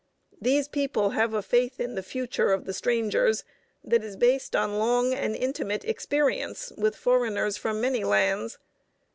These people have a faith in the future of the strangers that is based on long and intimate experience with foreigners from many lands.